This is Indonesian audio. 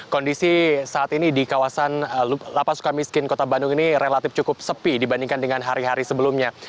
kondisi saat ini di kawasan lapas suka miskin kota bandung ini relatif cukup sepi dibandingkan dengan hari hari sebelumnya